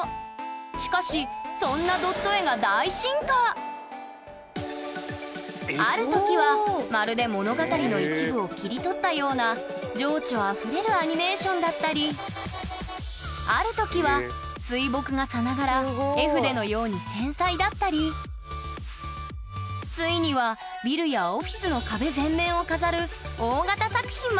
しかしそんなドット絵がある時はまるで物語の一部を切り取ったような情緒あふれるアニメーションだったりある時は水墨画さながら絵筆のように繊細だったりついにはビルやオフィスのまで誕生。